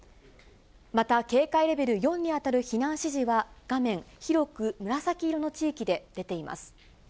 また、警戒レベル４に当たる避難指示は、画面、広く紫色の地域で出ています。